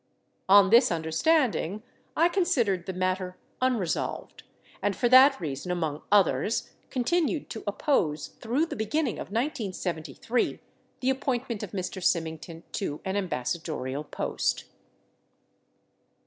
On this understanding, I considered the matter unresolved and for that reason, among others, continued to oppose through the beginning of 1973 the appointment of Mr. Symington to an ambassadorial post.